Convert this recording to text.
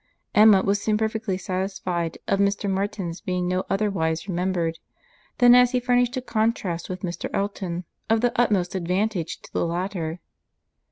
Emma was soon perfectly satisfied of Mr. Martin's being no otherwise remembered, than as he furnished a contrast with Mr. Elton, of the utmost advantage to the latter.